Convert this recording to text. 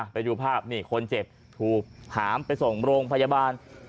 ไปดูภาพนี่คนเจ็บถูกหามไปส่งโรงพยาบาล